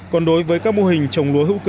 còn đối với các mô hình trồng lúa hữu cơ